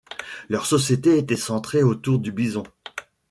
Leur société était centrée autour du bison.